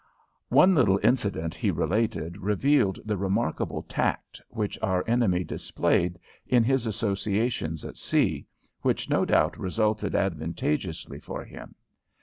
One little incident he related revealed the remarkable tact which our enemy displayed in his associations at sea, which no doubt resulted advantageously for him.